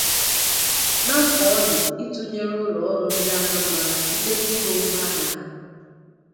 nà mkpà ọ dị ịtụnyere ụlọọrụ Ndị Anambra site n'igo ngwaahịa ha